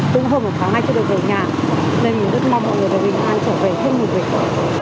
tức là hơn một tháng nay chưa được về nhà nên mình rất mong mọi người về bệnh viện trở về thêm một việc